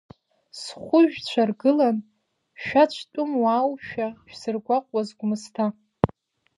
Зхәыжәцәа ргылан, шәацәтәымуааушәа шәзыргәаҟуаз Гәымсҭа…